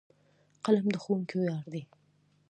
قلم د ښوونکي ویاړ دی.